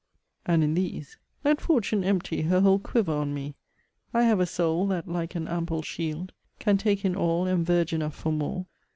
And in these: Let Fortune empty her whole quiver on me, I have a soul, that, like an ample shield, Can take in all, and verge enough for more.